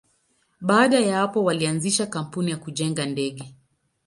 Baada ya hapo, walianzisha kampuni ya kujenga ndege.